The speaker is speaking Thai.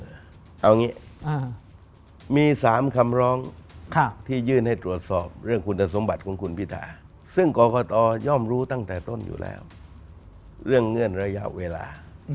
เอาอย่างนี้มี๓คำร้องที่ยื่นให้ตรวจสอบเรื่องคุณสมบัติของคุณพิธาซึ่งกรกตย่อมรู้ตั้งแต่ต้นอยู่แล้วเรื่องเงื่อนระยะเวลา